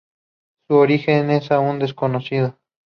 Su origen es aun desconocido.